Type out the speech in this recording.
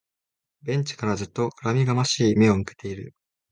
ベンチからずっと恨みがましい目を向けている